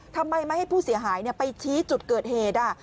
ทำไมไม่ให้ผู้เสียหายไปชี้จุดเกิดเหตุ